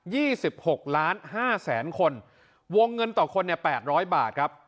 ี่สิบหกล้านห้าแสนคนวงเงินต่อคนเนี่ยแปดร้อยบาทครับ